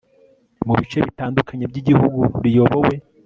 mu bice bitandukanye by igihugu riyobowe